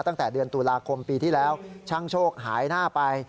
ตั้งแต่เดือนตุลาคมปีที่แล้วช่างโชคหายหน้าไป